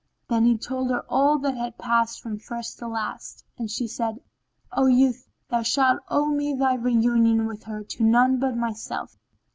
Then he told her all that had passed from first to last, and she said, "O youth, thou shalt owe thy reunion with her to none but myself."